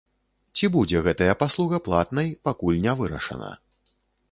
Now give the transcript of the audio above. Ці будзе гэтая паслуга платнай, пакуль не вырашана.